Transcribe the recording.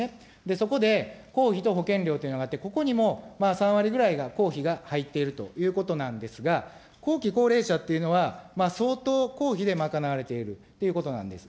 そこで、公費と保険料というのがあって、ここにも３割ぐらいが公費が入っているということなんですが、後期高齢者っていうのは、相当、公費で賄われているということなんです。